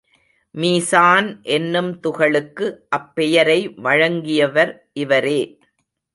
மீசான் என்னும் துகளுக்கு அப்பெயரை வழங்கியவர் இவரே.